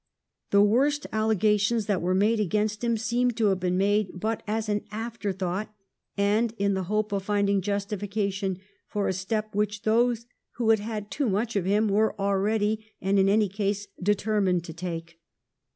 The worst allegations that were made against him seem to have been made but as an afterthought and in the hope of finding justification for a step which those who had had too much of him were already, and in any case, determined to take.